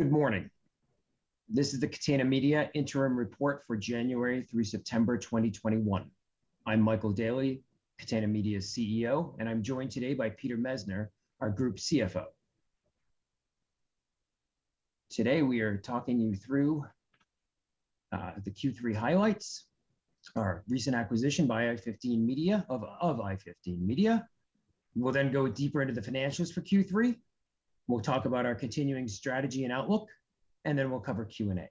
Good morning. This is the Catena Media interim report for January through September 2021. I'm Michael Daly, Catena Media's CEO, and I'm joined today by Peter Messner, our Group CFO. Today, we are talking you through the Q3 highlights, our recent acquisition of i15 Media. We'll then go deeper into the financials for Q3. We'll talk about our continuing strategy and outlook, and then we'll cover Q and A.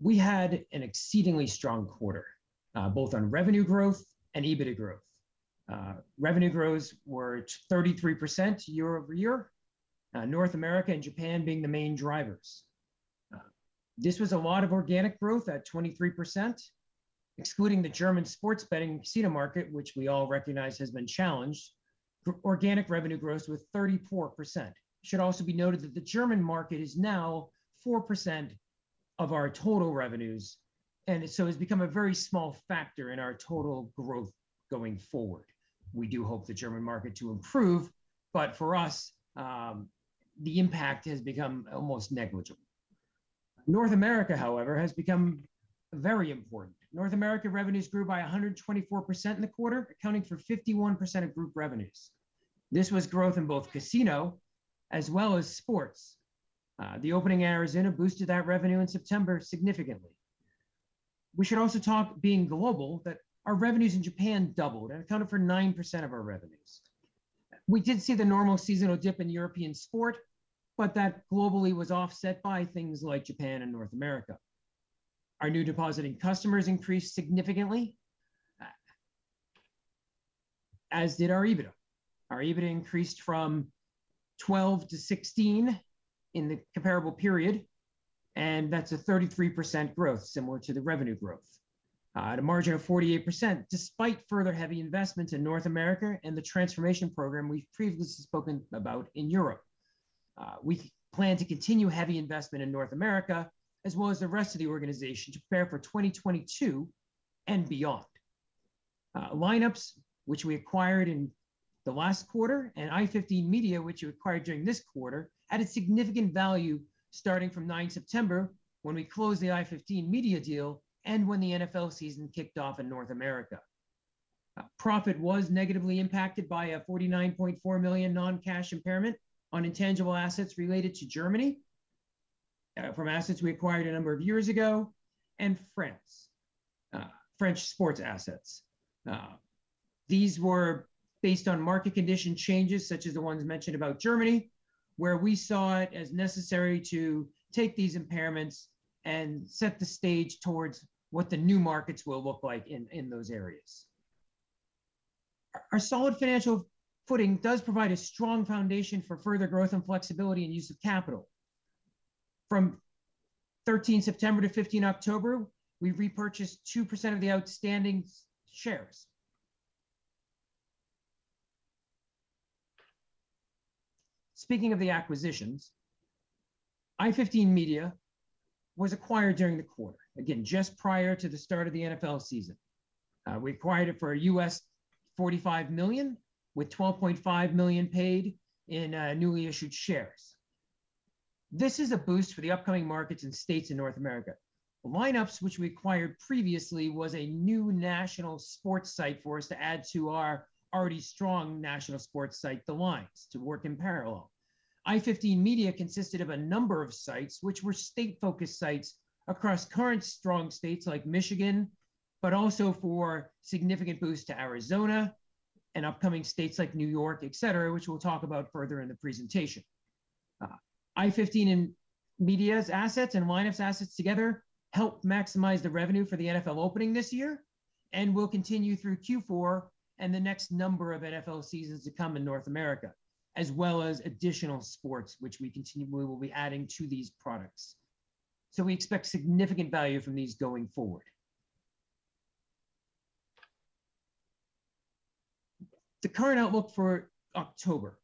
We had an exceedingly strong quarter, both on revenue growth and EBITDA growth. Revenue growth was 33% year-over-year, North America and Japan being the main drivers. This was a lot of organic growth at 23%. Excluding the German sports betting casino market, which we all recognize has been challenged, organic revenue growth was 34%. It should also be noted that the German market is now 4% of our total revenues, and so it's become a very small factor in our total growth going forward. We do hope the German market to improve, but for us, the impact has become almost negligible. North America, however, has become very important. North America revenues grew by 124% in the quarter, accounting for 51% of group revenues. This was growth in both casino as well as sports. The opening in Arizona boosted that revenue in September significantly. We should also talk, being global, that our revenues in Japan doubled and accounted for 9% of our revenues. We did see the normal seasonal dip in European sport, but that globally was offset by things like Japan and North America. Our new depositing customers increased significantly, as did our EBITDA. Our EBITDA increased from 12 to 16 in the comparable period, and that's a 33% growth, similar to the revenue growth, at a margin of 48%, despite further heavy investments in North America and the transformation program we've previously spoken about in Europe. We plan to continue heavy investment in North America as well as the rest of the organization to prepare for 2022 and beyond. Lineups, which we acquired in the last quarter, and i15 Media, which we acquired during this quarter, added significant value starting from September 9 when we closed the i15 Media deal and when the NFL season kicked off in North America. Profit was negatively impacted by a 49.4 million non-cash impairment on intangible assets related to Germany, from assets we acquired a number of years ago, and France, French sports assets. These were based on market condition changes, such as the ones mentioned about Germany, where we saw it as necessary to take these impairments and set the stage towards what the new markets will look like in those areas. Our solid financial footing does provide a strong foundation for further growth and flexibility and use of capital. From 13th September to 15th October, we repurchased 2% of the outstanding B-shares. Speaking of the acquisitions, i15 Media was acquired during the quarter, again, just prior to the start of the NFL season. We acquired it for $45 million, with $12.5 million paid in newly issued shares. This is a boost for the upcoming markets and states in North America. Lineups, which we acquired previously, was a new national sports site for us to add to our already strong national sports site, TheLines, to work in parallel. i15 Media consisted of a number of sites which were state-focused sites across current strong states like Michigan, but also for significant boost to Arizona and upcoming states like New York, et cetera, which we'll talk about further in the presentation. i15 Media's assets and Lineups assets together help maximize the revenue for the NFL opening this year and will continue through Q4 and the next number of NFL seasons to come in North America, as well as additional sports which we continually will be adding to these products. We expect significant value from these going forward. The current outlook for October.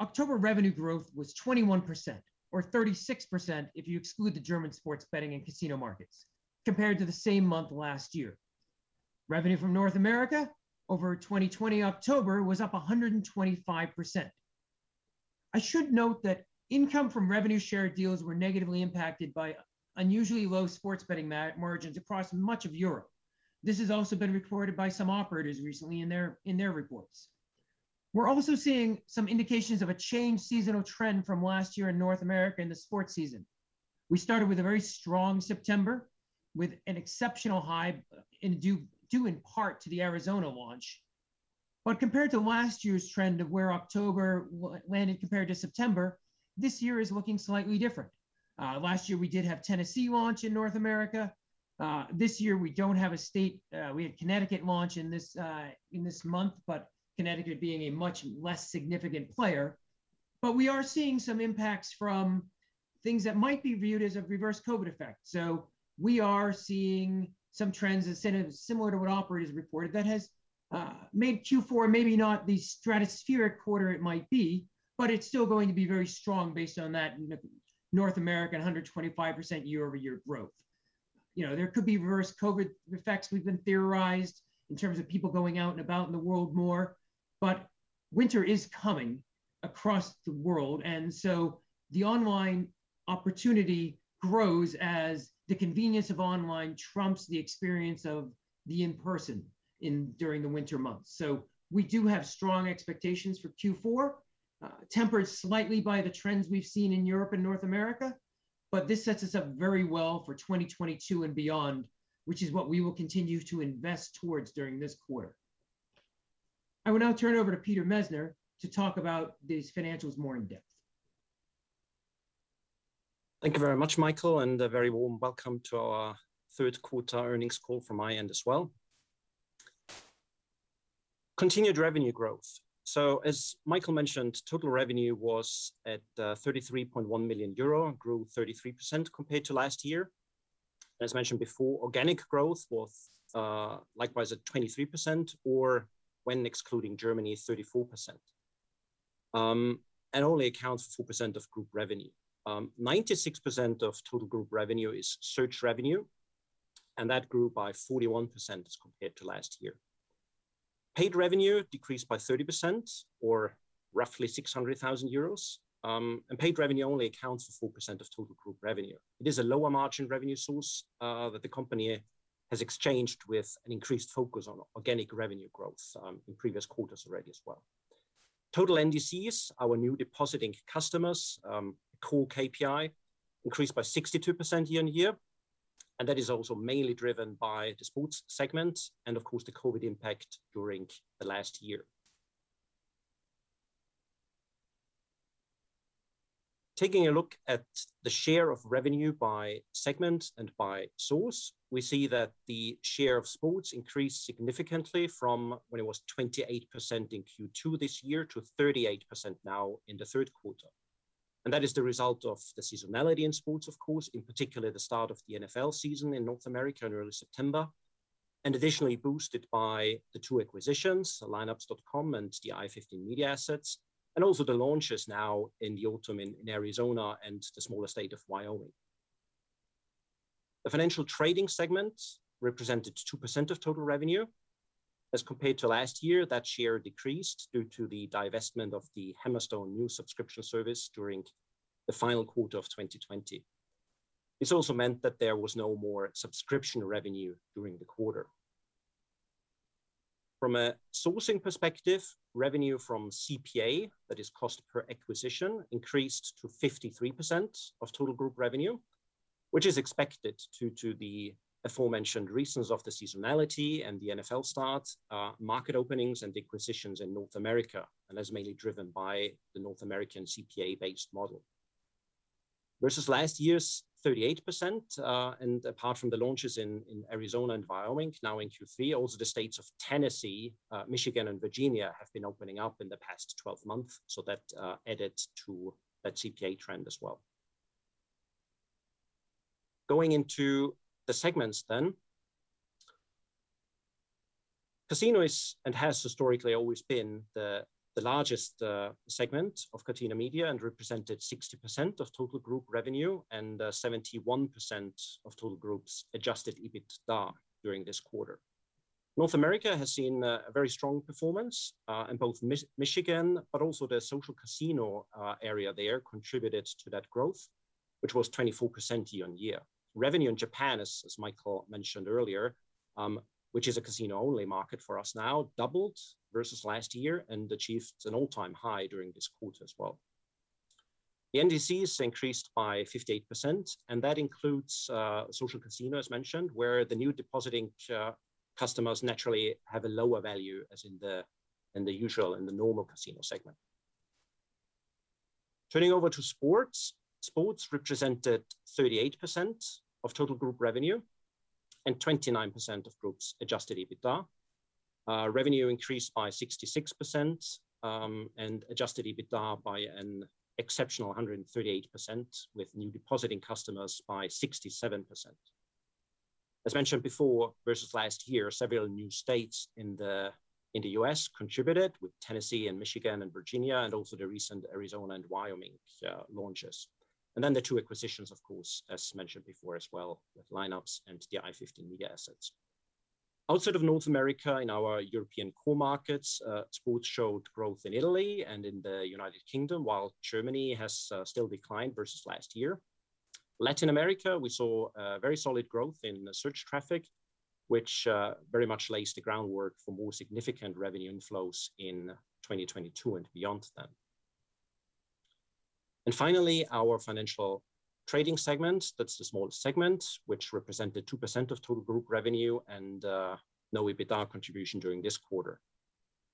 October revenue growth was 21%, or 36% if you exclude the German sports betting and casino markets, compared to the same month last year. Revenue from North America over 2020 October was up 125%. I should note that income from revenue share deals were negatively impacted by unusually low sports betting margins across much of Europe. This has also been reported by some operators recently in their reports. We're also seeing some indications of a changed seasonal trend from last year in North America in the sports season. We started with a very strong September, with an exceptional high in part to the Arizona launch. Compared to last year's trend of where October landed compared to September, this year is looking slightly different. Last year we did have Tennessee launch in North America. This year we don't have a state. We had Connecticut launch in this month, but Connecticut being a much less significant player. We are seeing some impacts from things that might be viewed as a reverse COVID effect. We are seeing some trends and incentives similar to what operators reported that has made Q4 maybe not the stratospheric quarter it might be, but it's still going to be very strong based on that North America 125% year-over-year growth. You know, there could be reverse COVID effects we've been theorizing in terms of people going out and about in the world more. Winter is coming across the world. The online opportunity grows as the convenience of online trumps the experience of the in-person during the winter months. We do have strong expectations for Q4, tempered slightly by the trends we've seen in Europe and North America, but this sets us up very well for 2022 and beyond, which is what we will continue to invest towards during this quarter. I will now turn it over to Peter Messner to talk about these financials more in depth. Thank you very much, Michael, and a very warm welcome to our third quarter earnings call from my end as well. Continued revenue growth. As Michael mentioned, total revenue was at 33.1 million euro, grew 33% compared to last year. As mentioned before, organic growth was likewise at 23% or when excluding Germany, 34%, and only accounts for 4% of group revenue. 96% of total group revenue is search revenue, and that grew by 41% as compared to last year. Paid revenue decreased by 30% or roughly 600,000 euros, and paid revenue only accounts for 4% of total group revenue. It is a lower margin revenue source that the company has exchanged with an increased focus on organic revenue growth in previous quarters already as well. Total NDCs, our new depositing customers, core KPI increased by 62% year-over-year, and that is also mainly driven by the sports segment and of course, the COVID impact during the last year. Taking a look at the share of revenue by segment and by source, we see that the share of sports increased significantly from when it was 28% in Q2 this year to 38% now in the third quarter. That is the result of the seasonality in sports, of course, in particular the start of the NFL season in North America in early September, and additionally boosted by the two acquisitions, the lineups.com and the i15 Media assets, and also the launches now in the autumn in Arizona and the smaller state of Wyoming. The financial trading segment represented 2% of total revenue. As compared to last year, that share decreased due to the divestment of the Hammerstone news subscription service during the final quarter of 2020. This also meant that there was no more subscription revenue during the quarter. From a sourcing perspective, revenue from CPA, that is cost per acquisition, increased to 53% of total group revenue, which is expected due to the aforementioned reasons of the seasonality and the NFL start, market openings and acquisitions in North America, and that's mainly driven by the North American CPA-based model. Versus last year's 38%, and apart from the launches in Arizona and Wyoming now in Q3, also the states of Tennessee, Michigan and Virginia have been opening up in the past 12 months, so that added to that CPA trend as well. Going into the segments then. Casino is and has historically always been the largest segment of Catena Media and represented 60% of total group revenue and 71% of total group's adjusted EBITDA during this quarter. North America has seen a very strong performance in both Michigan, but also the social casino area there contributed to that growth, which was 24% year-on-year. Revenue in Japan, as Michael mentioned earlier, which is a casino-only market for us now, doubled versus last year and achieved an all-time high during this quarter as well. The NDCs increased by 58%, and that includes social casino as mentioned, where the new depositing customers naturally have a lower value as in the usual, normal casino segment. Turning over to sports. Sports represented 38% of total group revenue and 29% of group's Adjusted EBITDA. Revenue increased by 66%, and Adjusted EBITDA by an exceptional 138% with new depositing customers by 67%. As mentioned before, versus last year, several new states in the U.S. contributed with Tennessee and Michigan and Virginia and also the recent Arizona and Wyoming launches. The two acquisitions of course, as mentioned before as well, with Lineups and the i15 Media assets. Outside of North America in our European core markets, sports showed growth in Italy and in the United Kingdom, while Germany has still declined versus last year. Latin America, we saw very solid growth in search traffic, which very much lays the groundwork for more significant revenue inflows in 2022 and beyond. Finally, our financial trading segment. That's the smallest segment, which represented 2% of total group revenue and no EBITDA contribution during this quarter.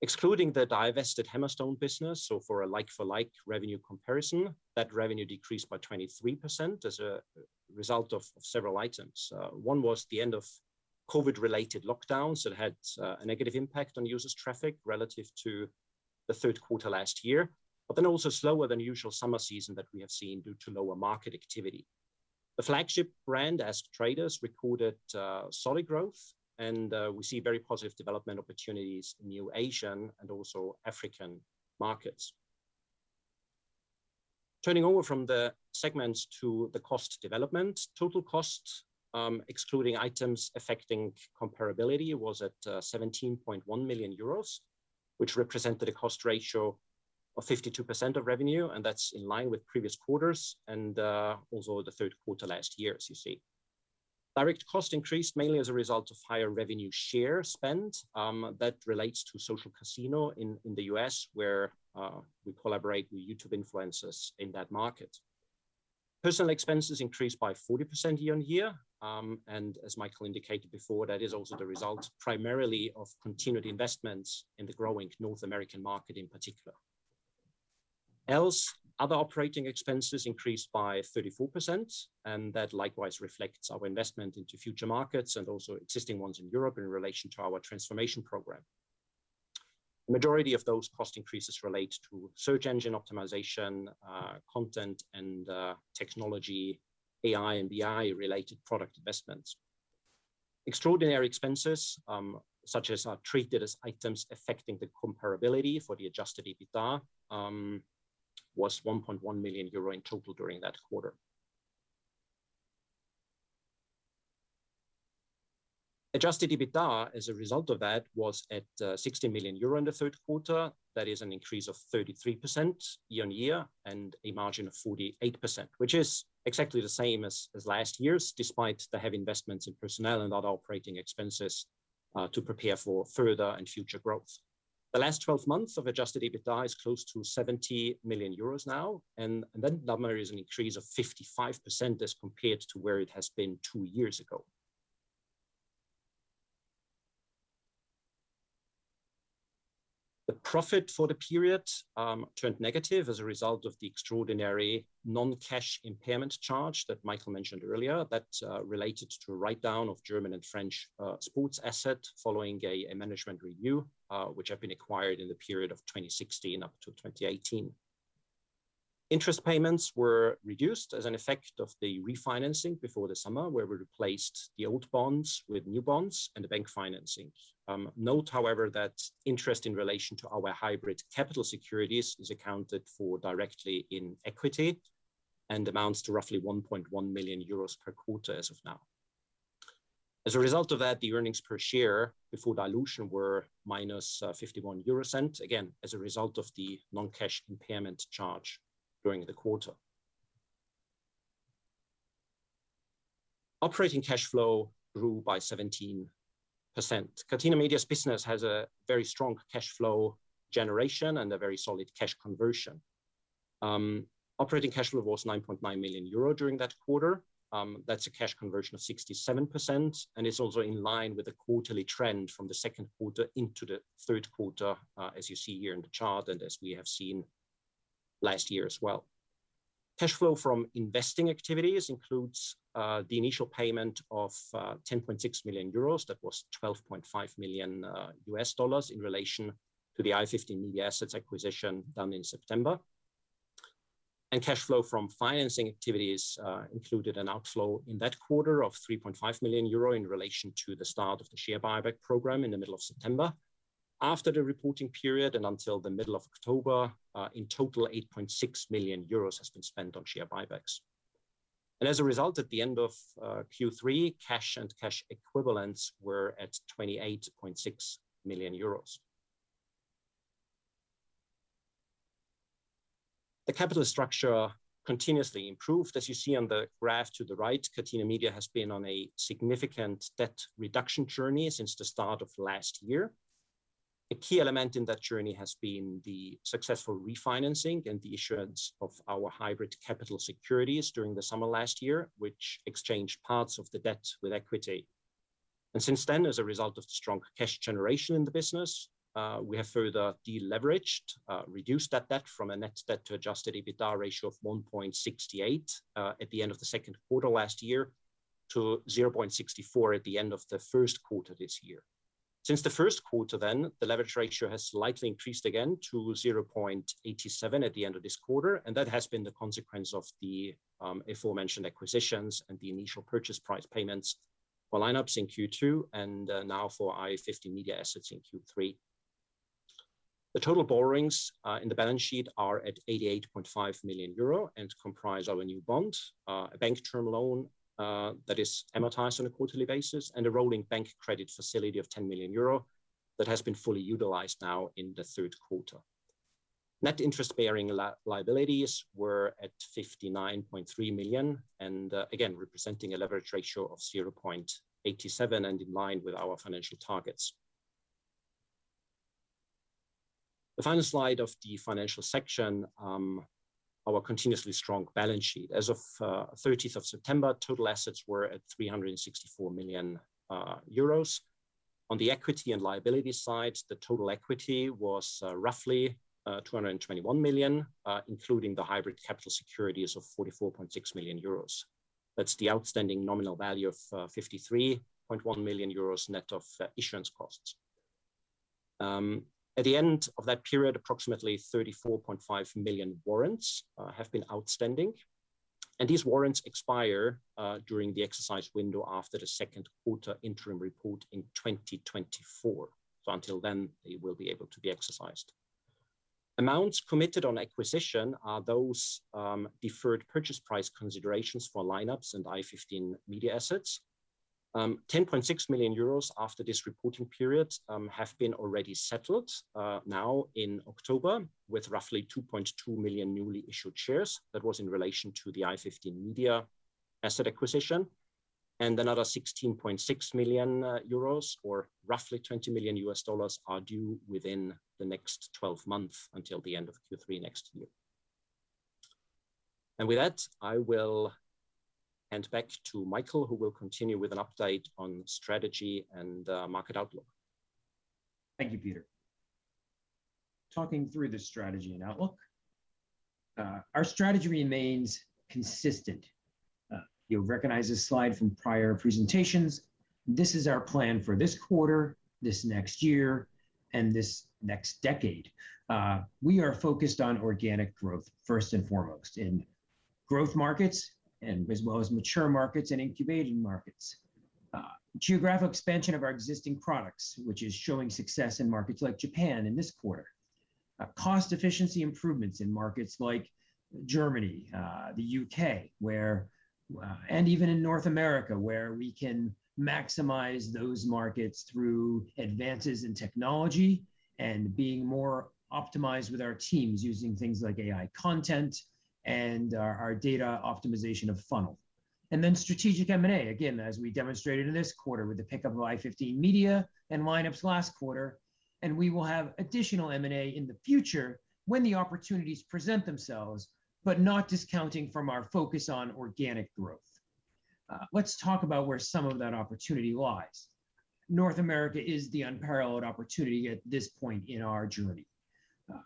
Excluding the divested Hammerstone business, for a like-for-like revenue comparison, that revenue decreased by 23% as a result of several items. One was the end of COVID-related lockdowns that had a negative impact on users' traffic relative to the third quarter last year, but also slower than usual summer season that we have seen due to lower market activity. The flagship brand AskTraders recorded solid growth, and we see very positive development opportunities in new Asian and also African markets. Turning over from the segments to the cost development, total costs excluding items affecting comparability was at 17.1 million euros, which represented a cost ratio of 52% of revenue, and that's in line with previous quarters and also the third quarter last year as you see. Direct costs increased mainly as a result of higher revenue share spend that relates to Social Casino in the U.S. where we collaborate with YouTube influencers in that market. Personnel expenses increased by 40% year-on-year. As Michael indicated before, that is also the result primarily of continued investments in the growing North American market in particular. Else, other operating expenses increased by 34%, and that likewise reflects our investment into future markets and also existing ones in Europe in relation to our transformation program. Majority of those cost increases relate to search engine optimization, content and technology, AI and BI related product investments. Extraordinary expenses, such as are treated as items affecting the comparability for the Adjusted EBITDA, was 1.1 million euro in total during that quarter. Adjusted EBITDA as a result of that was at 60 million euro in the third quarter. That is an increase of 33% year-on-year and a margin of 48%, which is exactly the same as last year's, despite the heavy investments in personnel and other operating expenses to prepare for further and future growth. The last 12 months of Adjusted EBITDA is close to 70 million euros now, and that number is an increase of 55% as compared to where it has been two years ago. The profit for the period turned negative as a result of the extraordinary non-cash impairment charge that Michael mentioned earlier that related to a write-down of German and French sports asset following a management review, which have been acquired in the period of 2016 up to 2018. Interest payments were reduced as an effect of the refinancing before the summer, where we replaced the old bonds with new bonds and the bank financings. Note however, that interest in relation to our hybrid capital securities is accounted for directly in equity and amounts to roughly 1.1 million euros per quarter as of now. As a result of that, the earnings per share before dilution were -0.51 EUR, again, as a result of the non-cash impairment charge during the quarter. Operating cash flow grew by 17%. Catena Media's business has a very strong cash flow generation and a very solid cash conversion. Operating cash flow was 9.9 million euro during that quarter. That's a cash conversion of 67%, and it's also in line with the quarterly trend from the second quarter into the third quarter, as you see here in the chart and as we have seen last year as well. Cash flow from investing activities includes the initial payment of 10.6 million euros. That was $12.5 million in relation to the i15 Media assets acquisition done in September. Cash flow from financing activities included an outflow in that quarter of 3.5 million euro in relation to the start of the share buyback program in the middle of September. After the reporting period and until the middle of October, in total 8.6 million euros has been spent on share buybacks. As a result, at the end of Q3, cash and cash equivalents were at 28.6 million euros. The capital structure continuously improved. As you see on the graph to the right, Catena Media has been on a significant debt reduction journey since the start of last year. A key element in that journey has been the successful refinancing and the issuance of our hybrid capital securities during the summer last year, which exchanged parts of the debt with equity. Since then, as a result of the strong cash generation in the business, we have further deleveraged, reduced that debt from a net debt to Adjusted EBITDA ratio of 1.68 at the end of the second quarter last year to 0.64 at the end of the first quarter this year. Since the first quarter then, the leverage ratio has slightly increased again to 0.87 at the end of this quarter, and that has been the consequence of the aforementioned acquisitions and the initial purchase price payments for Lineups in Q2 and now for i15 Media assets in Q3. The total borrowings in the balance sheet are at 88.5 million euro and comprise our new bond, a bank term loan that is amortized on a quarterly basis, and a rolling bank credit facility of 10 million euro that has been fully utilized now in the third quarter. Net interest-bearing liabilities were at 59.3 million, and again, representing a leverage ratio of 0.87 and in line with our financial targets. The final slide of the financial section, our continuously strong balance sheet. As of 30th of September, total assets were at 364 million euros. On the equity and liability side, the total equity was roughly 221 million, including the hybrid capital securities of 44.6 million euros. That's the outstanding nominal value of 53.1 million euros net of issuance costs. At the end of that period, approximately 34.5 million warrants have been outstanding. These warrants expire during the exercise window after the second quarter interim report in 2024. Until then, they will be able to be exercised. Amounts committed on acquisition are those deferred purchase price considerations for Lineups and i15 Media assets. 10.6 million euros after this reporting period have been already settled now in October with roughly 2.2 million newly issued shares. That was in relation to the i15 Media asset acquisition. Another 16.6 million euros or roughly $20 million, are due within the next 12 months, until the end of Q3 next year. With that, I will hand back to Michael, who will continue with an update on strategy and market outlook. Thank you, Peter. Talking through the strategy and outlook, our strategy remains consistent. You'll recognize this slide from prior presentations. This is our plan for this quarter, this next year, and this next decade. We are focused on organic growth first and foremost in growth markets and as well as mature markets and incubating markets. Geographic expansion of our existing products, which is showing success in markets like Japan in this quarter. Cost efficiency improvements in markets like Germany, the U.K., and even in North America, where we can maximize those markets through advances in technology and being more optimized with our teams using things like AI content and our data optimization of funnel. Strategic M&A, again, as we demonstrated in this quarter with the pickup of i15 Media and Lineups.com last quarter, and we will have additional M&A in the future when the opportunities present themselves, but not discounting from our focus on organic growth. Let's talk about where some of that opportunity lies. North America is the unparalleled opportunity at this point in our journey.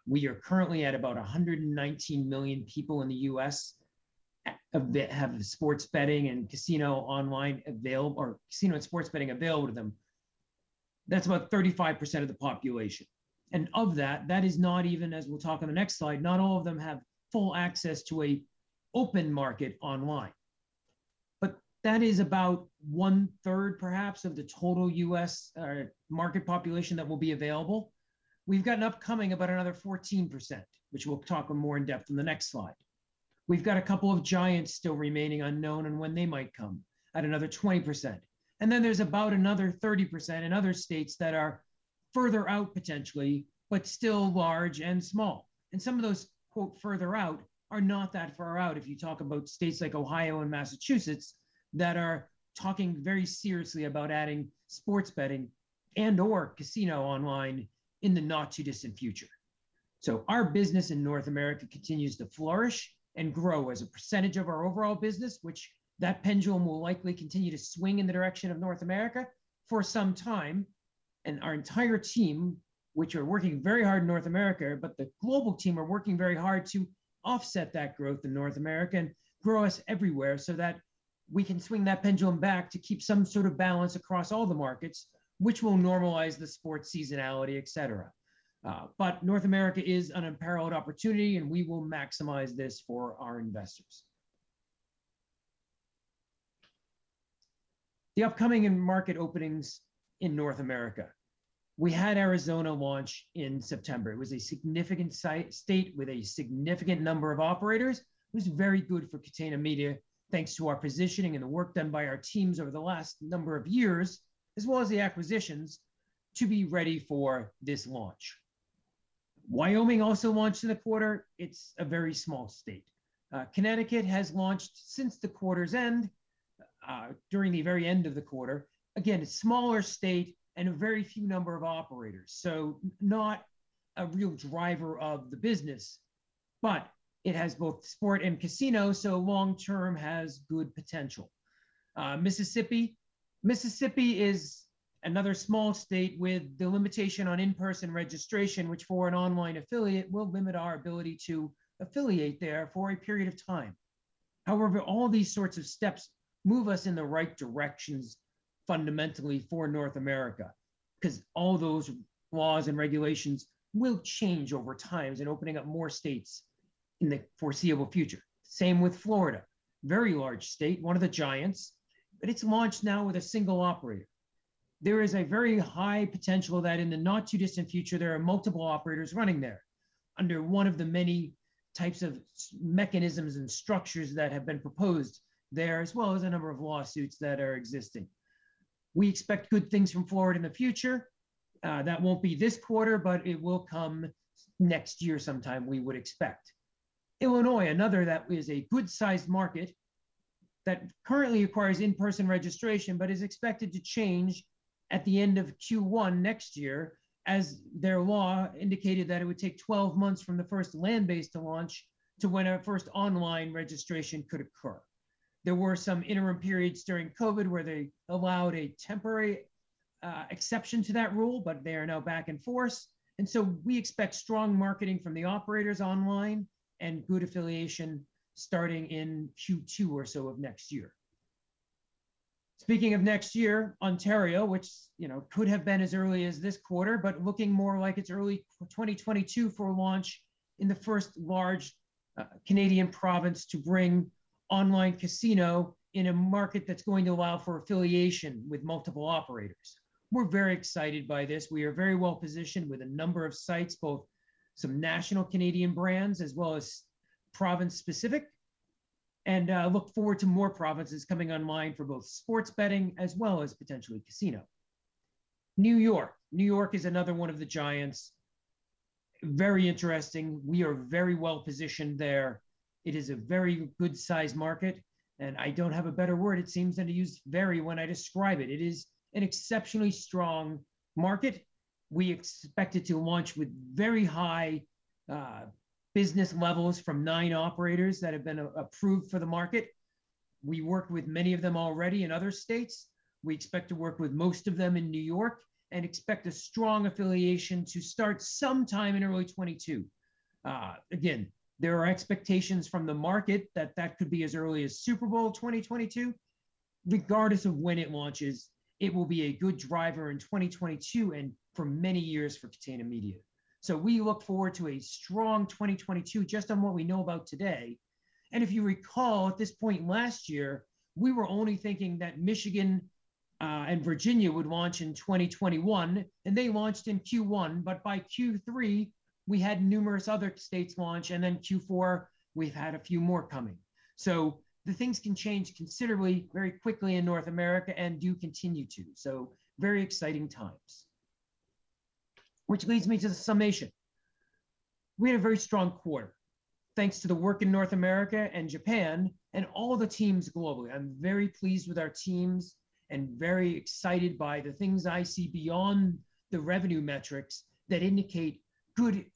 We are currently at about 119 million people in the U.S. that have sports betting and casino online or casino and sports betting available to them. That's about 35% of the population. Of that is not even, as we'll talk on the next slide, not all of them have full access to an open market online. That is about one-third perhaps of the total U.S. or market population that will be available. We've got an uptick of about another 14%, which we'll talk more in depth on in the next slide. We've got a couple of giants still remaining unknown and when they might come in at another 20%. Then there's about another 30% in other states that are further out potentially, but still large and small. Some of those "further out" are not that far out if you talk about states like Ohio and Massachusetts that are talking very seriously about adding sports betting and/or casino online in the not too distant future. Our business in North America continues to flourish and grow as a percentage of our overall business, with that pendulum will likely continue to swing in the direction of North America for some time. Our entire team, which are working very hard in North America, but the global team are working very hard to offset that growth in North America and grow us everywhere so that we can swing that pendulum back to keep some sort of balance across all the markets, which will normalize the sports seasonality, et cetera. But North America is an unparalleled opportunity, and we will maximize this for our investors. The upcoming market openings in North America. We had Arizona launch in September. It was a significant state with a significant number of operators. It was very good for Catena Media, thanks to our positioning and the work done by our teams over the last number of years, as well as the acquisitions to be ready for this launch. Wyoming also launched in the quarter. It's a very small state. Connecticut has launched since the quarter's end, during the very end of the quarter. Again, a smaller state and a very few number of operators, so not a real driver of the business. It has both sports and casino, so long term has good potential. Mississippi is another small state with the limitation on in-person registration, which for an online affiliate, will limit our ability to affiliate there for a period of time. However, all these sorts of steps move us in the right directions fundamentally for North America, 'cause all those laws and regulations will change over time in opening up more states in the foreseeable future. Same with Florida, a very large state, one of the giants, but it's launched now with a single operator. There is a very high potential that in the not too distant future, there are multiple operators running there under one of the many types of mechanisms and structures that have been proposed there, as well as a number of lawsuits that are existing. We expect good things from Florida in the future. That won't be this quarter, but it will come next year sometime, we would expect. Illinois, another that is a good-sized market that currently requires in-person registration, but is expected to change at the end of Q1 next year as their law indicated that it would take 12 months from the first land-based to launch to when a first online registration could occur. There were some interim periods during COVID where they allowed a temporary exception to that rule, but they are now back in force, and so we expect strong marketing from the operators online and good affiliation starting in Q2 or so of next year. Speaking of next year, Ontario, which, you know, could have been as early as this quarter, but looking more like it's early 2022 for a launch in the first large Canadian province to bring online casino in a market that's going to allow for affiliation with multiple operators. We're very excited by this. We are very well-positioned with a number of sites, both some national Canadian brands as well as province-specific. Look forward to more provinces coming online for both sports betting as well as potentially casino. New York. New York is another one of the giants. Very interesting. We are very well-positioned there. It is a very good-sized market, and I don't have a better word, it seems, than to use very when I describe it. It is an exceptionally strong market. We expect it to launch with very high business levels from nine operators that have been approved for the market. We work with many of them already in other states. We expect to work with most of them in New York, and expect a strong affiliation to start sometime in early 2022. Again, there are expectations from the market that that could be as early as Super Bowl 2022. Regardless of when it launches, it will be a good driver in 2022 and for many years for Catena Media. We look forward to a strong 2022 just on what we know about today. If you recall, at this point last year, we were only thinking that Michigan and Virginia would launch in 2021, and they launched in Q1. By Q3, we had numerous other states launch, and then Q4, we've had a few more coming. The things can change considerably very quickly in North America and do continue to. Very exciting times. Which leads me to the summation. We had a very strong quarter, thanks to the work in North America and Japan and all the teams globally. I'm very pleased with our teams and very excited by the things I see beyond the revenue metrics that indicate good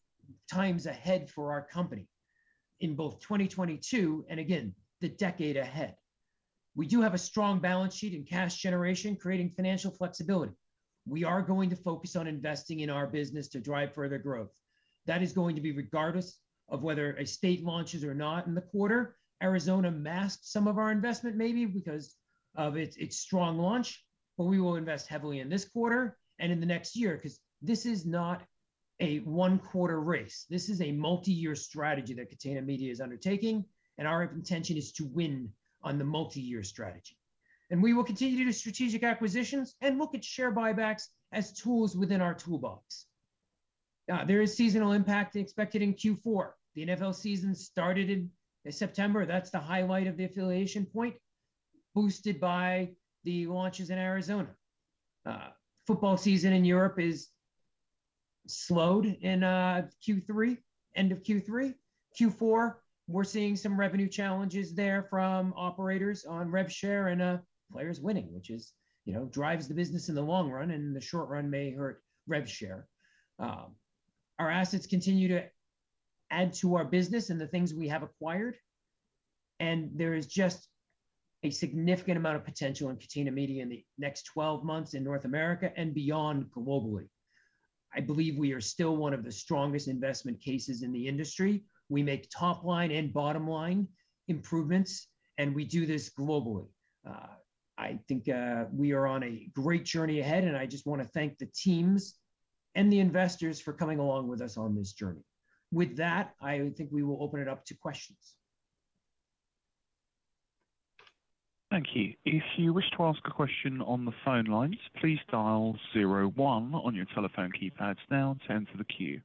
times ahead for our company in both 2022 and, again, the decade ahead. We do have a strong balance sheet and cash generation creating financial flexibility. We are going to focus on investing in our business to drive further growth. That is going to be regardless of whether a state launches or not in the quarter. Arizona masked some of our investment maybe because of its strong launch, but we will invest heavily in this quarter and in the next year, 'cause this is not a one-quarter race. This is a multi-year strategy that Catena Media is undertaking, and our intention is to win on the multi-year strategy. We will continue to do strategic acquisitions and look at share buybacks as tools within our toolbox. There is seasonal impact expected in Q4. The NFL season started in September. That's the highlight of the affiliation point, boosted by the launches in Arizona. Football season in Europe is slowed in Q3, end of Q3. Q4, we're seeing some revenue challenges there from operators on rev share and players winning, which is, you know, drives the business in the long run, and in the short run may hurt rev share. Our assets continue to add to our business and the things we have acquired, and there is just a significant amount of potential in Catena Media in the next twelve months in North America and beyond globally. I believe we are still one of the strongest investment cases in the industry. We make top line and bottom line improvements, and we do this globally. I think we are on a great journey ahead, and I just wanna thank the teams and the investors for coming along with us on this journey. With that, I think we will open it up to questions. Thank you. If you wish to ask a question on the phone lines, please dial zero one on your telephone keypads now to enter the queue.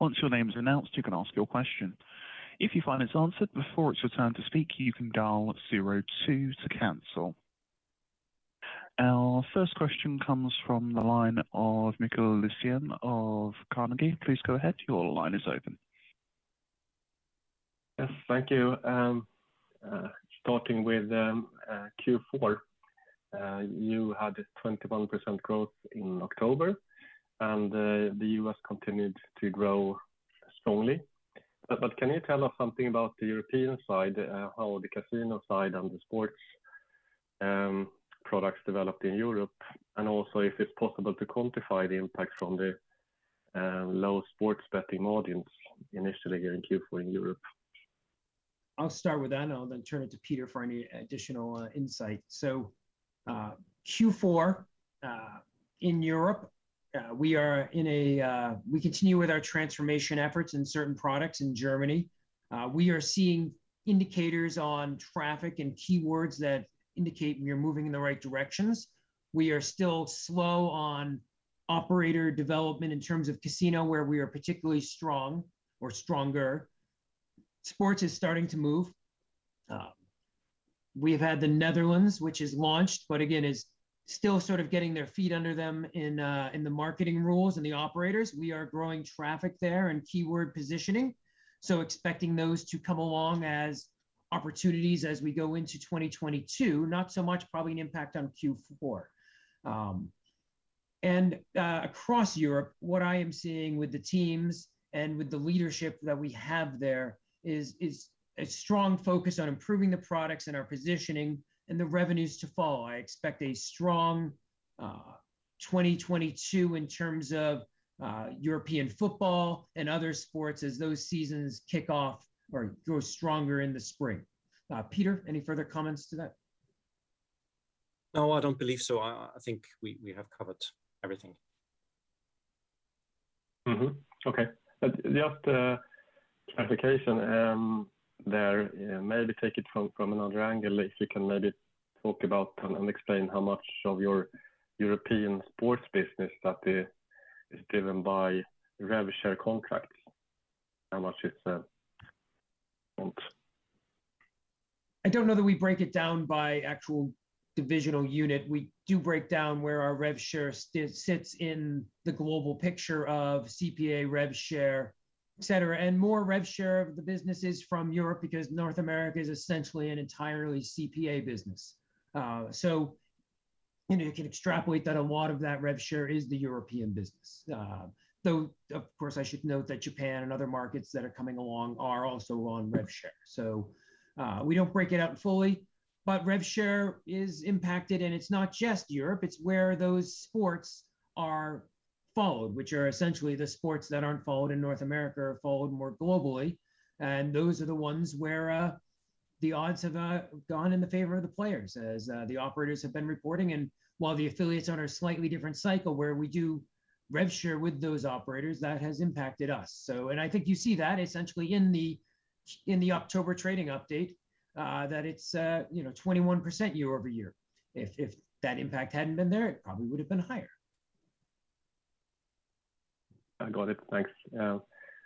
Once your name is announced, you can ask your question. If you find it's answered before it's your turn to speak, you can dial zero two to cancel. Our first question comes from the line of Mikael Ljunggren of Carnegie. Please go ahead. Your line is open. Yes, thank you, starting with Q4. You had a 21% growth in October, and the U.S. continued to grow strongly. Can you tell us something about the European side, how the casino side and the sports products developed in Europe? Also, if it's possible to quantify the impact from the low sports betting audience initially here in Q4 in Europe. I'll start with that, and I'll then turn it to Peter for any additional insight. Q4 in Europe, we continue with our transformation efforts in certain products in Germany. We are seeing indicators on traffic and keywords that indicate we are moving in the right directions. We are still slow on operator development in terms of casino, where we are particularly strong or stronger. Sports is starting to move. We've had the Netherlands, which is launched, but again is still sort of getting their feet under them in the marketing roles and the operators. We are growing traffic there and keyword positioning, so expecting those to come along as opportunities as we go into 2022, not so much probably an impact on Q4. Across Europe, what I am seeing with the teams and with the leadership that we have there is a strong focus on improving the products and our positioning and the revenues to follow. I expect a strong 2022 in terms of European football and other sports as those seasons kick off or grow stronger in the spring. Peter, any further comments to that? No, I don't believe so. I think we have covered everything. Just clarification there, maybe take it from another angle. If you can maybe talk about and explain how much of your European sports business that is driven by rev share contracts? How much is? I don't know that we break it down by actual divisional unit. We do break down where our rev share sits in the global picture of CPA rev share, et cetera. More rev share share of the business is from Europe because North America is essentially an entirely CPA business. You know, you can extrapolate that a lot of that rev share is the European business. Though of course, I should note that Japan and other markets that are coming along are also on rev share. We don't break it out fully, but rev share is impacted. It's not just Europe, it's where those sports are followed, which are essentially the sports that aren't followed in North America are followed more globally. Those are the ones where the odds have gone in the favor of the players as the operators have been reporting. While the affiliates are on a slightly different cycle where we do rev share with those operators, that has impacted us, so. I think you see that essentially in the October trading update that it's you know 21% year-over-year. If that impact hadn't been there, it probably would've been higher. I got it. Thanks.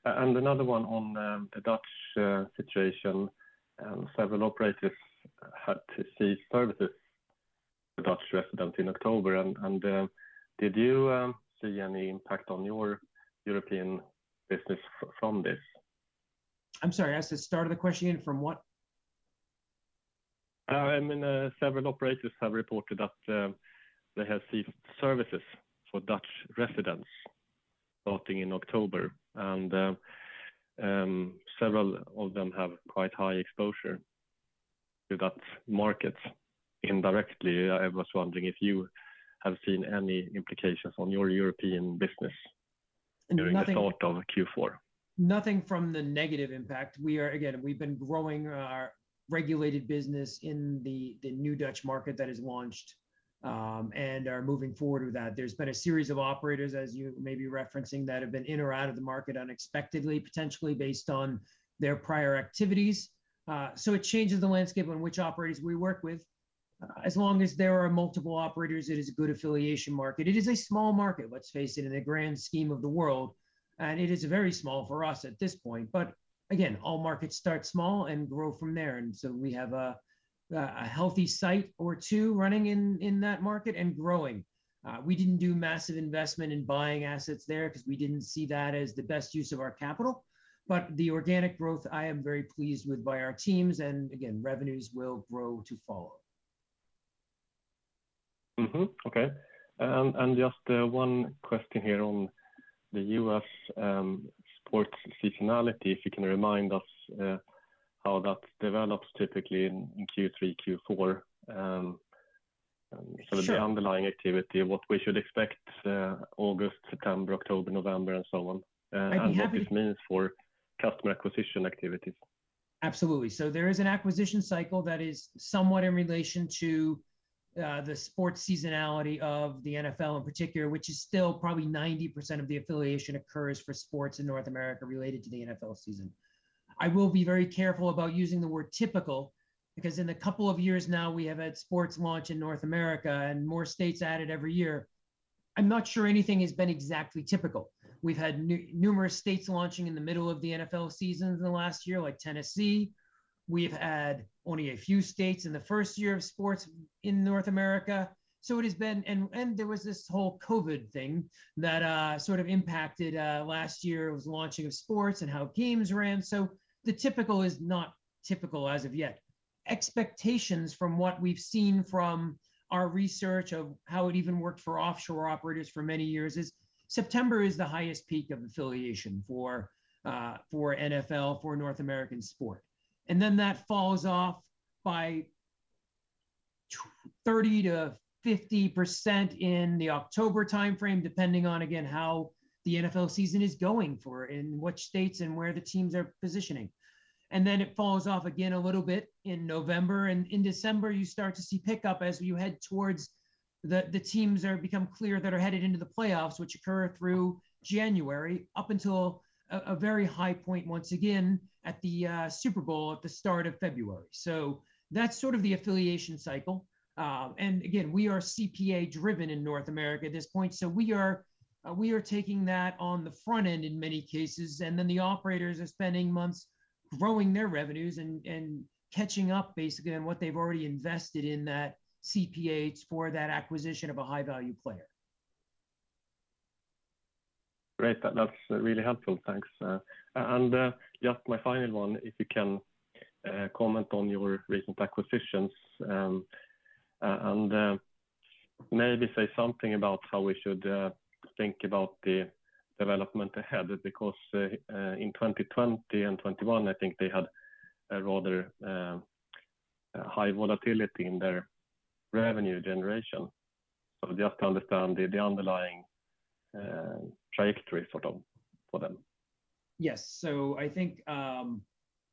Another one on the Dutch situation. Several operators had to cease services for Dutch residents in October. Did you see any impact on your European business from this? I'm sorry, ask the start of the question again. From what? I mean, several operators have reported that they have ceased services for Dutch residents starting in October. Several of them have quite high exposure to Dutch markets indirectly. I was wondering if you have seen any implications on your European business? Nothing- During the start of Q4. Nothing from the negative impact. Again, we've been growing our regulated business in the new Dutch market that has launched and are moving forward with that. There's been a series of operators, as you may be referencing, that have been in or out of the market unexpectedly, potentially based on their prior activities. So it changes the landscape on which operators we work with. As long as there are multiple operators, it is a good affiliation market. It is a small market, let's face it, in the grand scheme of the world, and it is very small for us at this point. But again, all markets start small and grow from there. We have a healthy site or two running in that market and growing. We didn't do massive investment in buying assets there because we didn't see that as the best use of our capital. The organic growth I am very pleased with by our teams, and again, revenues will grow to follow. Okay. Just one question here on the U.S. sports seasonality. If you can remind us how that develops typically in Q3, Q4. Sure The underlying activity, what we should expect, August, September, October, November, and so on. I'd be happy. What this means for customer acquisition activities. Absolutely. There is an acquisition cycle that is somewhat in relation to the sports seasonality of the NFL in particular, which is still probably 90% of the affiliation occurs for sports in North America related to the NFL season. I will be very careful about using the word typical, because in the couple of years now we have had sports launch in North America and more states added every year. I'm not sure anything has been exactly typical. We've had numerous states launching in the middle of the NFL season in the last year, like Tennessee. We've had only a few states in the first year of sports in North America. It has been. There was this whole COVID thing that sort of impacted last year's launching of sports and how games ran. The typical is not typical as of yet. Expectations from what we've seen from our research of how it even worked for offshore operators for many years is September is the highest peak of affiliation for NFL, for North American sport. That falls off by 30%-50% in the October timeframe, depending on, again, how the NFL season is going for and which states and where the teams are positioning. It falls off again a little bit in November. In December you start to see pickup as you head towards the teams are become clear that are headed into the playoffs, which occur through January, up until a very high point once again at the Super Bowl at the start of February. That's sort of the affiliation cycle. Again, we are CPA driven in North America at this point, so we are taking that on the front end in many cases. The operators are spending months growing their revenues and catching up basically on what they've already invested in that CPA for that acquisition of a high-value player. Great. That's really helpful. Thanks. Just my final one, if you can comment on your recent acquisitions. Maybe say something about how we should think about the development ahead. Because in 2020 and 2021, I think they had a rather high volatility in their revenue generation. Just to understand the underlying trajectory for them. Yes. I think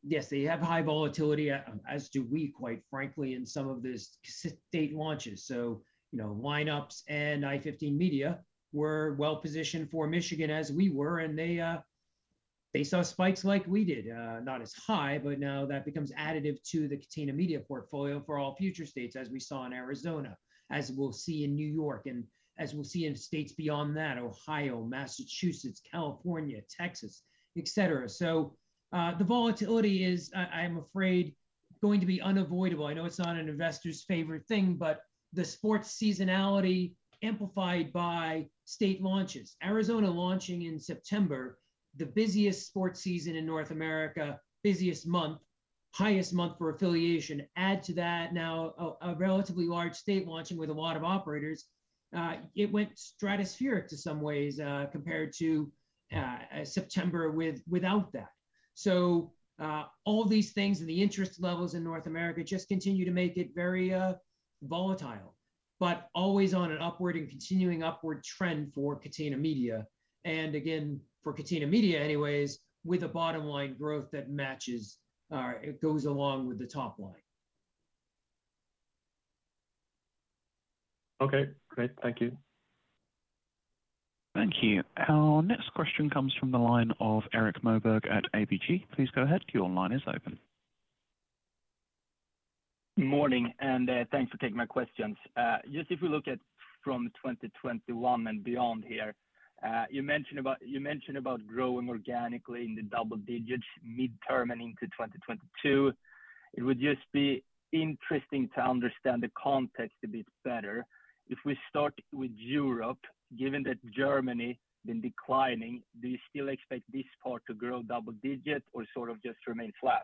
yes, they have high volatility, as do we, quite frankly, in some of these state launches. You know, Lineups.com and i15 Media were well-positioned for Michigan as we were, and they saw spikes like we did. Not as high, but now that becomes additive to the Catena Media portfolio for all future states, as we saw in Arizona, as we'll see in New York, and as we'll see in states beyond that, Ohio, Massachusetts, California, Texas, et cetera. The volatility is, I'm afraid, going to be unavoidable. I know it's not an investor's favorite thing, but the sports seasonality amplified by state launches, Arizona launching in September, the busiest sports season in North America, busiest month, highest month for affiliation. Add to that now a relatively large state launching with a lot of operators, it went stratospheric in some ways, compared to September without that. All these things and the interest levels in North America just continue to make it very volatile. Always on an upward and continuing upward trend for Catena Media. Again, for Catena Media anyways, with a bottom-line growth that matches or it goes along with the top line. Okay, great. Thank you. Thank you. Our next question comes from the line of Erik Moberg at ABG. Please go ahead, your line is open. Morning, thanks for taking my questions. Just if we look at from 2021 and beyond here, you mentioned about growing organically in the double digits mid-term and into 2022. It would just be interesting to understand the context a bit better. If we start with Europe, given that Germany been declining, do you still expect this part to grow double digit or sort of just remain flat?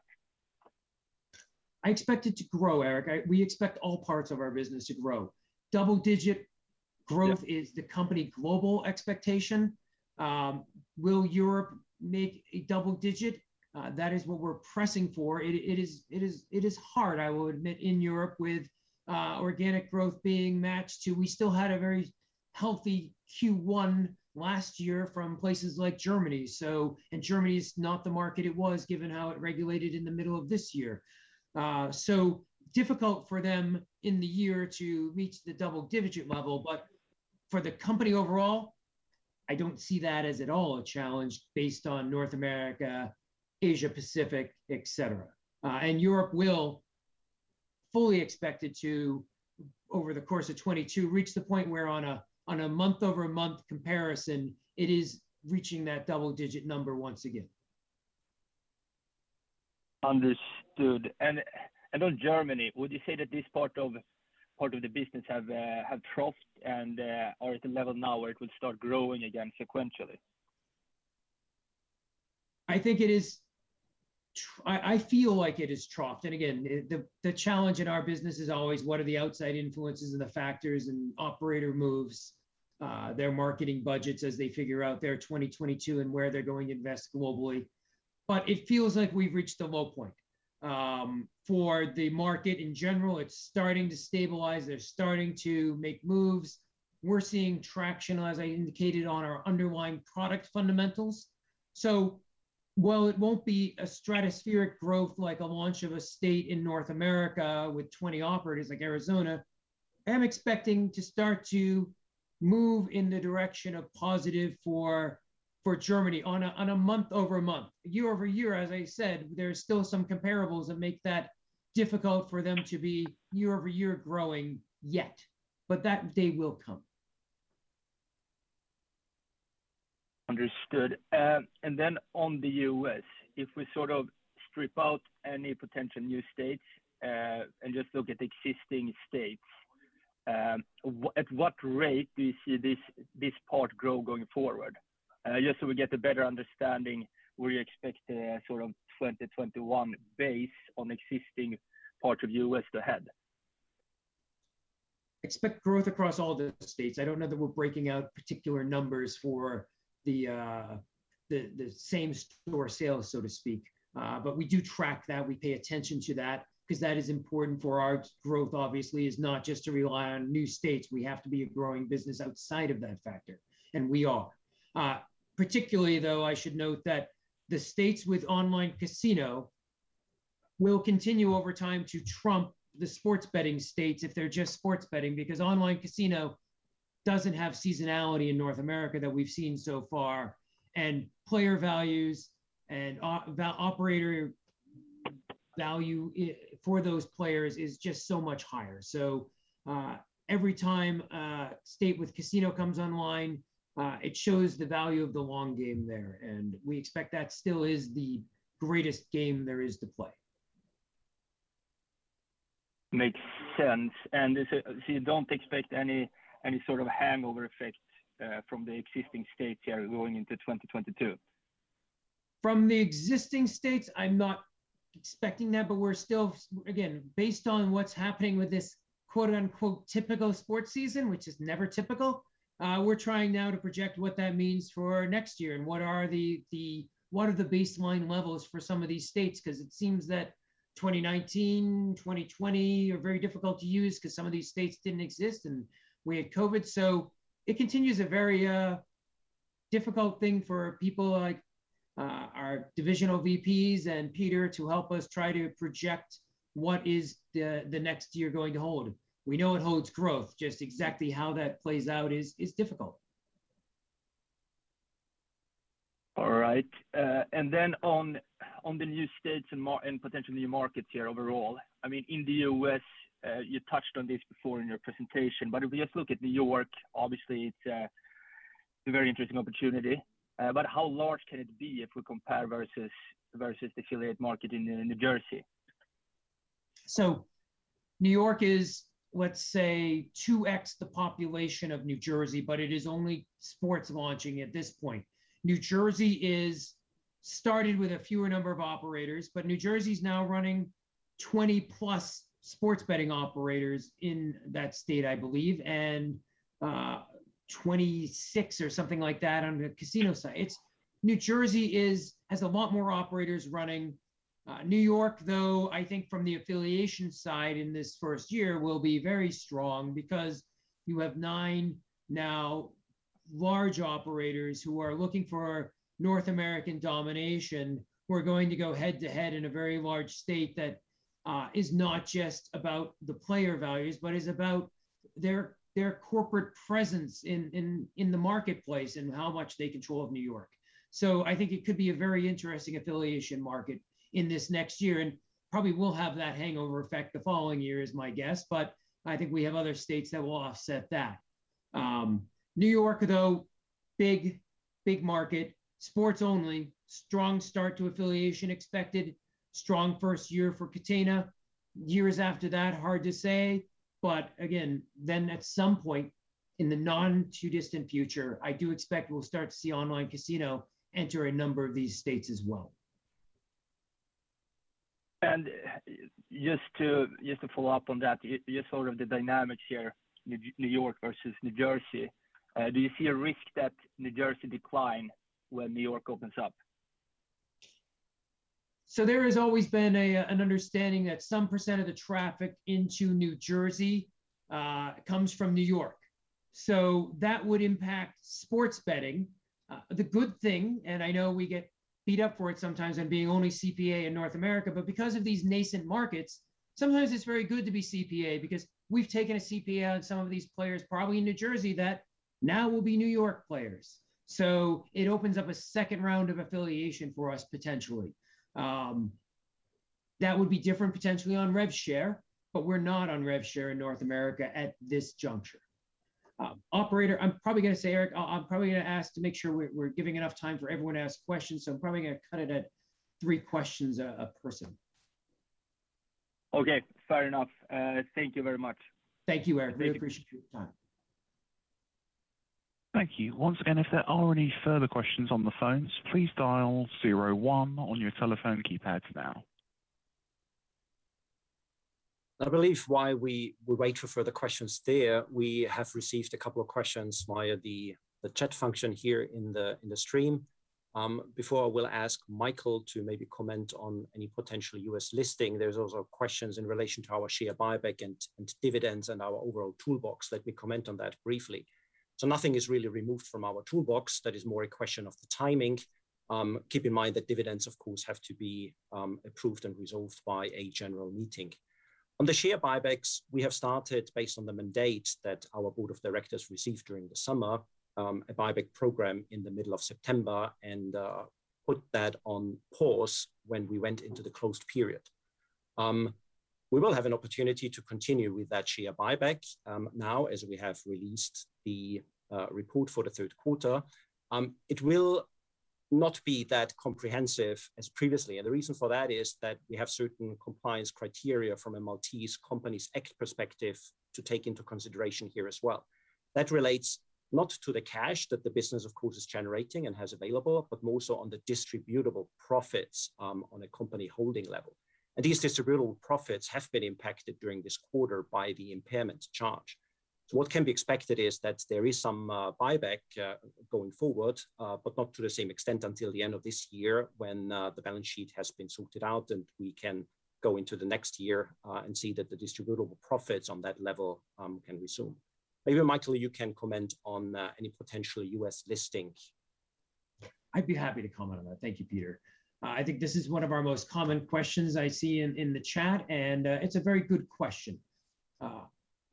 I expect it to grow, Erik. We expect all parts of our business to grow. Double-digit growth. Yep This is the company's global expectation. Will Europe make double-digit? That is what we're pressing for. It is hard, I will admit, in Europe with organic growth being matched to. We still had a very healthy Q1 last year from places like Germany. Germany is not the market it was, given how it regulated in the middle of this year. It is difficult for them in the year to reach the double-digit level, but for the company overall, I don't see that as at all a challenge based on North America, Asia, Pacific, et cetera. Europe will fully expect it to, over the course of 2022, reach the point where on a month-over-month comparison, it is reaching that double-digit number once again. Understood. On Germany, would you say that this part of the business have troughed and, or it's a level now where it would start growing again sequentially? I think it is. I feel like it has troughed. Again, the challenge in our business is always what are the outside influences and the factors and operator moves, their marketing budgets as they figure out their 2022 and where they're going to invest globally. It feels like we've reached a low point for the market in general. It's starting to stabilize. They're starting to make moves. We're seeing traction, as I indicated, on our underlying product fundamentals. While it won't be a stratospheric growth like a launch of a state in North America with 20 operators like Arizona, I'm expecting to start to move in the direction of positive for Germany on a month-over-month. Year-over-year, as I said, there's still some comparables that make that difficult for them to be year-over-year growing yet, but that day will come. Understood. On the U.S., if we sort of strip out any potential new states, and just look at existing states, at what rate do you see this part grow going forward? Just so we get a better understanding where you expect a sort of 2021 base on existing part of the U.S. ahead. Expect growth across all the states. I don't know that we're breaking out particular numbers for the same store sales, so to speak. But we do track that. We pay attention to that 'cause that is important for our growth, obviously is not just to rely on new states. We have to be a growing business outside of that factor, and we are. Particularly, though, I should note that the states with online casino will continue over time to trump the sports betting states if they're just sports betting, because online casino doesn't have seasonality in North America that we've seen so far. Player values and the operator value for those players is just so much higher. Every time a state with casino comes online, it shows the value of the long game there, and we expect that still is the greatest game there is to play. Makes sense. You don't expect any sort of hangover effect from the existing states here going into 2022? From the existing states, I'm not expecting that, but we're still. Again, based on what's happening with this, quote-unquote, "typical" sports season, which is never typical, we're trying now to project what that means for next year and what are the baseline levels for some of these states. 'Cause it seems that 2019, 2020 are very difficult to use 'cause some of these states didn't exist, and we had COVID. It continues a very difficult thing for people like our divisional VPs and Peter to help us try to project what is the next year going to hold. We know it holds growth. Just exactly how that plays out is difficult. All right. On the new states and potential new markets here overall, I mean, in the U.S., you touched on this before in your presentation, but if we just look at New York, obviously it's a very interesting opportunity. How large can it be if we compare versus the affiliate market in New Jersey? New York is, let's say, two x the population of New Jersey, but it is only sports launching at this point. New Jersey is starting with a fewer number of operators, but New Jersey's now running 20+ sports betting operators in that state, I believe, and 26 or something like that on the casino side. New Jersey has a lot more operators running. New York, though, I think from the affiliation side in this first year will be very strong because you have nine now large operators who are looking for North American domination, who are going to go head-to-head in a very large state that is not just about the player values, but is about their corporate presence in the marketplace and how much they control of New York. I think it could be a very interesting affiliation market in this next year, and probably will have that hangover effect the following year is my guess. I think we have other states that will offset that. New York, though, big market. Sports only. Strong start to affiliation expected. Strong first year for Catena. Years after that, hard to say. Again, at some point in the not too distant future, I do expect we'll start to see online casino enter a number of these states as well. Just to follow up on that, just sort of the dynamic here, New York versus New Jersey, do you see a risk that New Jersey decline when New York opens up? There has always been an understanding that some percentage of the traffic into New Jersey comes from New York. That would impact sports betting. The good thing, and I know we get beat up for it sometimes in being only CPA in North America, but because of these nascent markets, sometimes it's very good to be CPA because we've taken a CPA on some of these players probably in New Jersey that now will be New York players. It opens up a second round of affiliation for us potentially. That would be different potentially on rev share, but we're not on rev share in North America at this juncture. Operator, I'm probably gonna ask to make sure we're giving enough time for everyone to ask questions, so I'm probably gonna cut it at three questions a person. Okay. Fair enough. Thank you very much. Thank you, Erik. I really appreciate your time. Thank you. Once again, if there are any further questions on the phones, please dial zero one on your telephone keypads now. I believe while we wait for further questions there, we have received a couple of questions via the chat function here in the stream. Before I will ask Michael to maybe comment on any potential U.S. listing, there's also questions in relation to our share buyback and dividends and our overall toolbox. Let me comment on that briefly. Nothing is really removed from our toolbox. That is more a question of the timing. Keep in mind that dividends of course have to be approved and resolved by a general meeting. On the share buybacks, we have started based on the mandate that our board of directors received during the summer a buyback program in the middle of September and put that on pause when we went into the closed period. We will have an opportunity to continue with that share buyback, now as we have released the report for the third quarter. It will not be that comprehensive as previously, and the reason for that is that we have certain compliance criteria from a Maltese Companies Act perspective to take into consideration here as well. That relates not to the cash that the business of course is generating and has available, but more so on the distributable profits, on a company holding level. These distributable profits have been impacted during this quarter by the impairment charge. What can be expected is that there is some buyback going forward, but not to the same extent until the end of this year when the balance sheet has been sorted out and we can go into the next year and see that the distributable profits on that level can resume. Maybe Michael, you can comment on any potential U.S. listing. I'd be happy to comment on that. Thank you, Peter. I think this is one of our most common questions I see in the chat, and it's a very good question.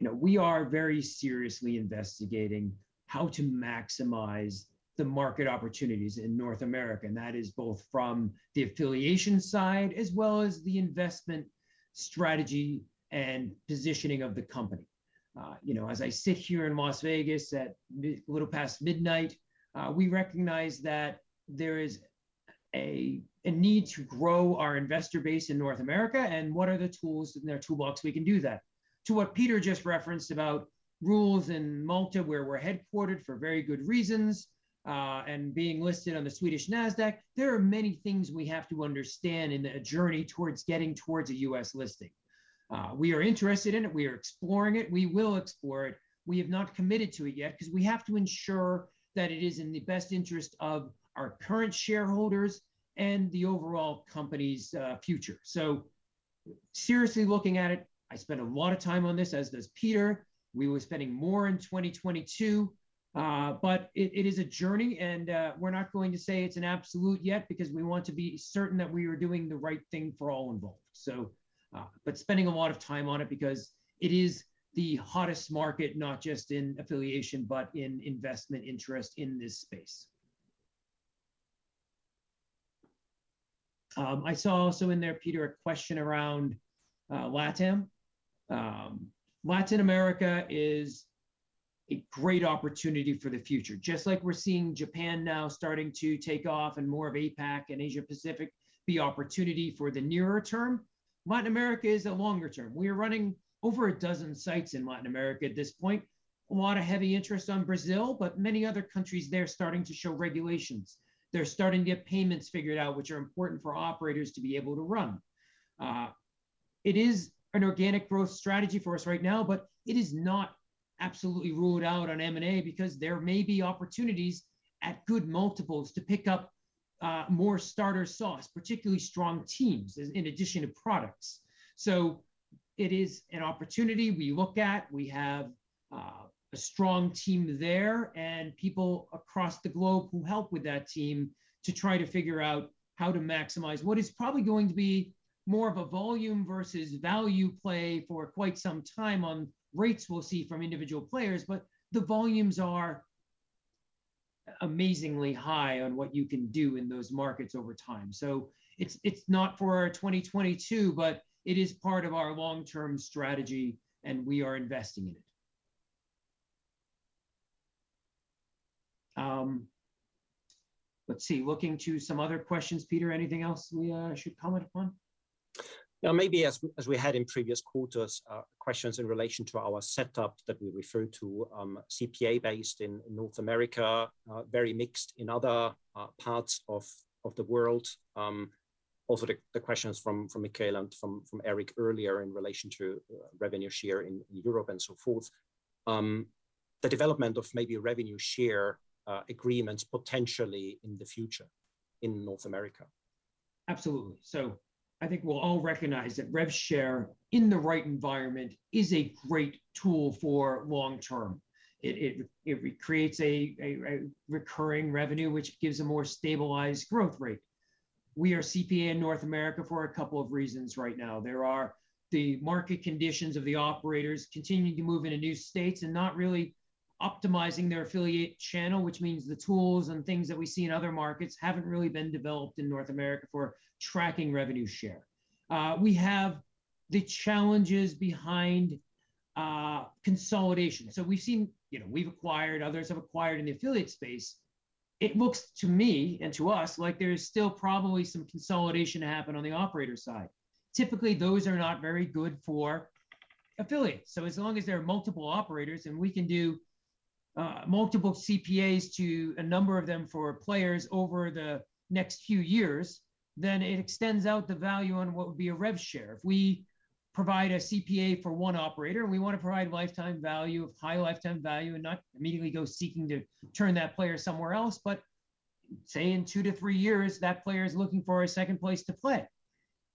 You know, we are very seriously investigating how to maximize the market opportunities in North America, and that is both from the affiliation side as well as the investment strategy and positioning of the company. You know, as I sit here in Las Vegas at a little past midnight, we recognize that there is a need to grow our investor base in North America, and what are the tools in our toolbox we can do that? To what Peter just referenced about rules in Malta, where we're headquartered for very good reasons, and being listed on the Nasdaq Stockholm, there are many things we have to understand in the journey towards getting a U.S. listing. We are interested in it. We are exploring it. We will explore it. We have not committed to it yet because we have to ensure that it is in the best interest of our current shareholders and the overall company's future. Seriously looking at it, I spend a lot of time on this, as does Peter. We will be spending more in 2022. It is a journey, and we're not going to say it's an absolute yet because we want to be certain that we are doing the right thing for all involved. Spending a lot of time on it because it is the hottest market, not just in affiliation, but in investment interest in this space. I saw also in there, Peter, a question around LATAM. LATAM America is a great opportunity for the future. Just like we're seeing Japan now starting to take off and more of APAC and Asia-Pacific be opportunity for the nearer term, Latin America is a longer term. We are running over a dozen sites in Latin America at this point. A lot of heavy interest on Brazil, but many other countries there are starting to show regulations. They're starting to get payments figured out, which are important for operators to be able to run. It is an organic growth strategy for us right now, but it is not absolutely ruled out on M&A because there may be opportunities at good multiples to pick up more starter assets, particularly strong teams as in addition to products. It is an opportunity we look at. We have a strong team there and people across the globe who help with that team to try to figure out how to maximize what is probably going to be more of a volume versus value play for quite some time on rates we'll see from individual players. The volumes are amazingly high on what you can do in those markets over time. It's not for our 2022, but it is part of our long-term strategy, and we are investing in it. Let's see, looking to some other questions, Peter, anything else we should comment upon? Yeah, maybe as we had in previous quarters, questions in relation to our setup that we refer to CPA-based in North America, very mixed in other parts of the world. Also the questions from Mikael and from Erik earlier in relation to revenue share in Europe and so forth. The development of maybe revenue share agreements potentially in the future in North America. Absolutely. I think we'll all recognize that rev share in the right environment is a great tool for long term. It creates a recurring revenue, which gives a more stabilized growth rate. We are CPA in North America for a couple of reasons right now. There are the market conditions of the operators continuing to move into new states and not really optimizing their affiliate channel, which means the tools and things that we see in other markets haven't really been developed in North America for tracking revenue share. We have the challenges behind consolidation. We've seen, you know, we've acquired, others have acquired in the affiliate space. It looks to me and to us like there is still probably some consolidation to happen on the operator side. Typically, those are not very good for affiliates. As long as there are multiple operators, and we can do multiple CPAs to a number of them for players over the next few years, it extends out the value on what would be a rev share. If we provide a CPA for one operator, and we want to provide lifetime value of high lifetime value and not immediately go seeking to turn that player somewhere else. Say in 2-3 years, that player is looking for a second place to play.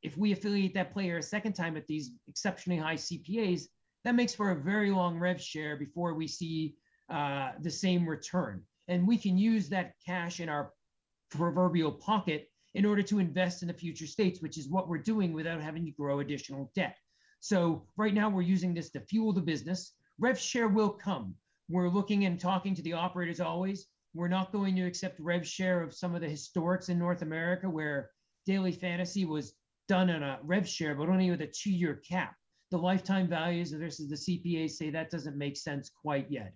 If we affiliate that player a second time at these exceptionally high CPAs, that makes for a very long rev share before we see the same return. We can use that cash in our proverbial pocket in order to invest in the future states, which is what we're doing without having to grow additional debt. Right now, we're using this to fuel the business. Rev share will come. We're looking and talking to the operators always. We're not going to accept rev share of some of the historics in North America, where daily fantasy was done on a rev share, but only with a two-year cap. The lifetime values versus the CPAs say that doesn't make sense quite yet.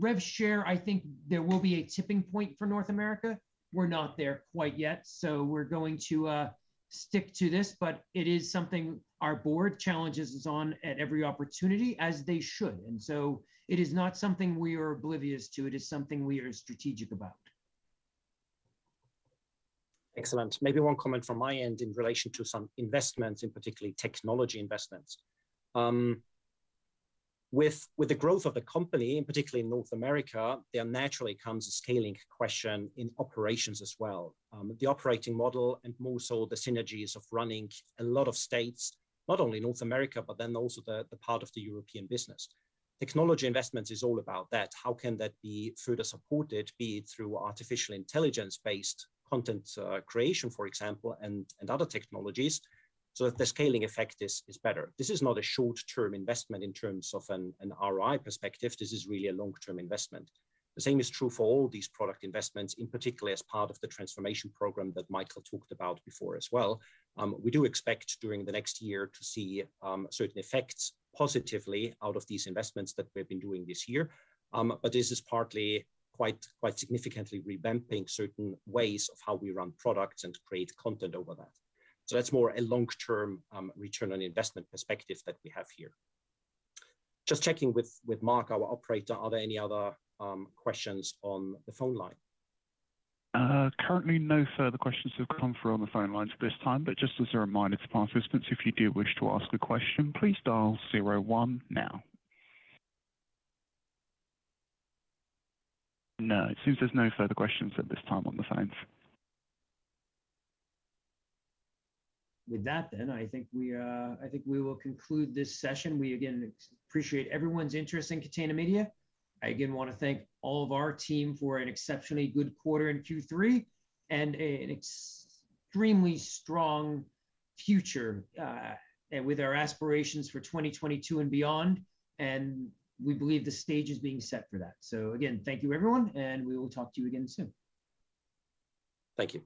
Rev share, I think there will be a tipping point for North America. We're not there quite yet, so we're going to stick to this. It is something our board challenges us on at every opportunity, as they should. It is not something we are oblivious to. It is something we are strategic about. Excellent. Maybe one comment from my end in relation to some investments, in particular technology investments. With the growth of the company, and particularly in North America, there naturally comes a scaling question in operations as well. The operating model and more so the synergies of running a lot of states, not only in North America, but then also the part of the European business. Technology investments is all about that. How can that be further supported, be it through artificial intelligence-based content creation, for example, and other technologies, so that the scaling effect is better? This is not a short-term investment in terms of an ROI perspective. This is really a long-term investment. The same is true for all these product investments, in particular as part of the transformation program that Michael talked about before as well. We do expect during the next year to see certain effects positively out of these investments that we've been doing this year. This is partly quite significantly revamping certain ways of how we run products and create content over that. That's more a long-term return on investment perspective that we have here. Just checking with Mark, our operator. Are there any other questions on the phone line? Currently no further questions have come through on the phone lines at this time. Just as a reminder to participants, if you do wish to ask a question, please dial zero one now. No, it seems there's no further questions at this time on the phones. With that then, I think we will conclude this session. We again appreciate everyone's interest in Catena Media. I again want to thank all of our team for an exceptionally good quarter in Q3 and an extremely strong future with our aspirations for 2022 and beyond. We believe the stage is being set for that. Again, thank you everyone, and we will talk to you again soon. Thank you.